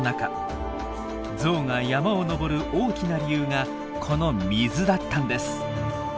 ゾウが山を登る大きな理由がこの水だったんです。